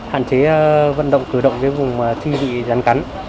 hạn chế vận động cử động với vùng thi bị rắn cắn